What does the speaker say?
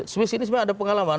swiss ini sebenarnya ada pengalaman